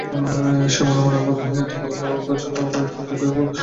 সে মনে মনে ভাবে-এত বড় বড় কাচ পায় কোথায়?